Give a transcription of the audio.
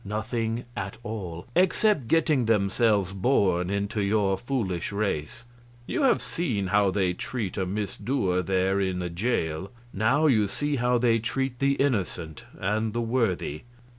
Nothing at all, except getting themselves born into your foolish race. You have seen how they treat a misdoer there in the jail; now you see how they treat the innocent and the worthy.